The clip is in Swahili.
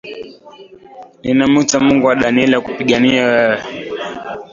Ninamwita Mungu wa Danieli akupiganie wewe.